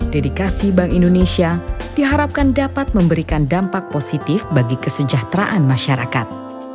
dedikasi bank indonesia diharapkan dapat memberikan dampak positif bagi kesejahteraan masyarakat